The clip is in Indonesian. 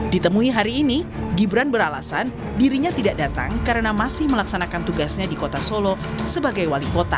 ditemui hari ini gibran beralasan dirinya tidak datang karena masih melaksanakan tugasnya di kota solo sebagai wali kota